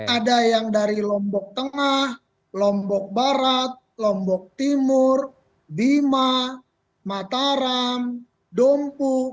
ada yang dari lombok tengah lombok barat lombok timur bima mataram dompu